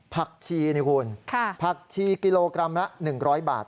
ผักชีนี่คุณผักชีกิโลกรัมละ๑๐๐บาท